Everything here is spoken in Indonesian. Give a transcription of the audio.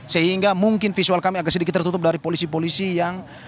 sehingga mungkin visual kami agak sedikit tertutup dari polisi polisi yang